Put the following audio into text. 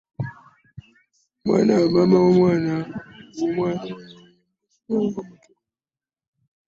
Maama w'omwana oya yamusuuka wo nga muto.